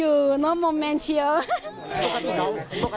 เพื่อนบ้านเจ้าหน้าที่อำรวจกู้ภัย